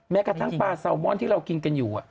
แม้กระทั่งปลาแซลมอนที่เรากินกันอยู่